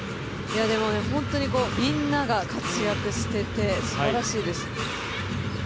本当にみんなが活躍していて、すばらしいです。